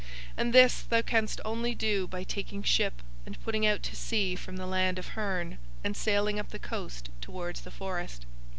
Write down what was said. And this thou canst only do by taking ship and putting out to sea from the land of Hurn and sailing up the coast towards the forest.